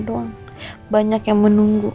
doang banyak yang menunggu